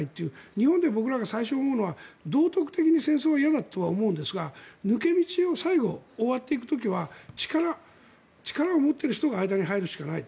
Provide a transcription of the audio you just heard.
日本で僕らが最初思うのは道徳的に戦争、嫌だと思うんですが抜け道を最後、終わっていく時は力を持っている人が間に入るしかない。